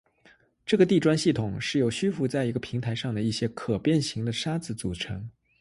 这个地砖系统是由虚浮在一个平台上的一些可变型的盘子组成。